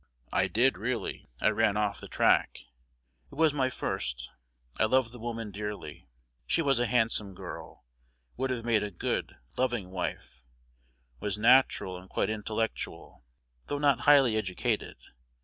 "'I did really. I ran off the track. It was my first. I loved the woman dearly. She was a handsome girl; would have made a good, loving wife; was natural and quite intellectual, though not highly educated.